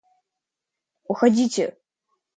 – Уходите!..